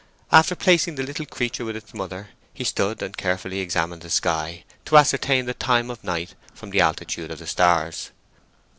After placing the little creature with its mother, he stood and carefully examined the sky, to ascertain the time of night from the altitudes of the stars.